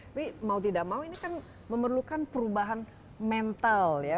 tapi mau tidak mau ini kan memerlukan perubahan mental ya